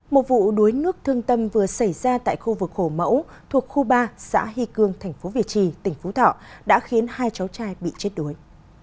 một vụ đuối nước thương tâm vừa xảy ra tại khu vực hồ mẫu thuộc khu ba xã hy cương tp việt trì tỉnh phú thọ đã khiến hai cháu trai bị chết đuối